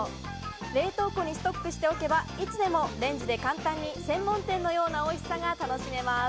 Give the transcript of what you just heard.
冷凍庫にストックをしておけば、いつでもレンジで簡単に専門店のようなおいしさが楽しめます。